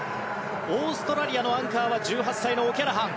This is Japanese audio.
オーストラリアのアンカーは１８歳のオキャラハン。